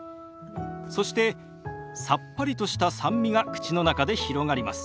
そしてさっぱりとした酸味が口の中で広がります。